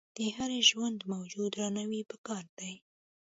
د هر ژوندي موجود درناوی پکار دی.